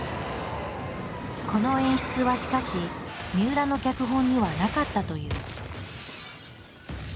この演出はしかしみうらの脚本にはなかったという。